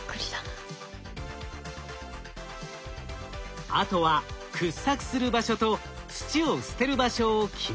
あとは掘削する場所と土を捨てる場所を決めるだけ。